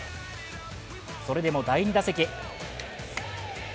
それでも第２打席。